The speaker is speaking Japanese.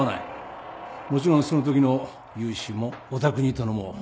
もちろんその時の融資もお宅に頼もう。